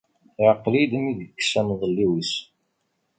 Iɛqel-yi-d mi yekkes amḍelliw-is.